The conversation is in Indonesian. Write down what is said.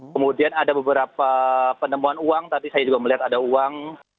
kemudian ada beberapa penemuan uang tapi saya juga melihat ada uang